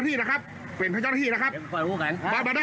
ตายเลยตายเลย